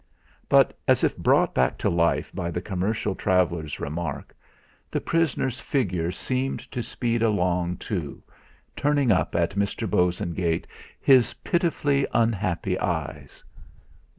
But as if brought back to life by the commercial traveller's remark, the prisoner's figure seemed to speed along too, turning up at Mr. Bosengate his pitifully unhappy eyes.